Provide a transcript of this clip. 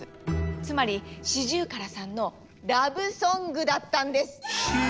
つまりシジュウカラさんのラブソングだったんです！